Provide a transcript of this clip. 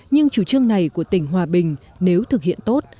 nhưng chủ trương này của tỉnh hòa bình nếu thực hiện tốt